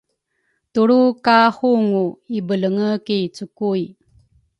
Tulru ka hungu ibelenge ki cukuy